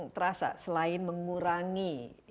terasa selain mengurangi